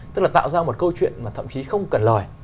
tức là tạo ra một câu chuyện mà thậm chí không cần lời